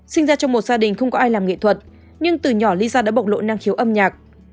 sinh ra trong một gia đình không có ai làm nghệ thuật nhưng từ nhỏ lysa đã bộc lộ năng khiếu âm nhạc